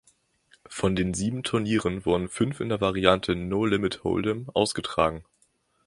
Von den sieben Turnieren wurden fünf in der Variante "No Limit Hold’em" ausgetragen.